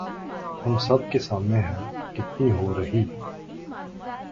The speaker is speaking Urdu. ہم سب کے سامنے ہے کتنی ہو رہی